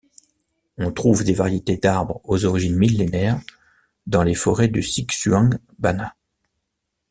On trouve des variétés d'arbres aux origines millénaires dans les forêts du Xishuangbanna.